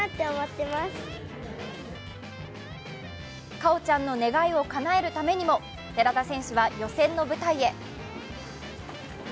果緒ちゃんの願いをかなえるためにも寺田選手は予選の舞台へ。